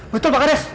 betul pak kades